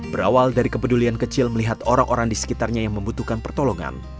berawal dari kepedulian kecil melihat orang orang di sekitarnya yang membutuhkan pertolongan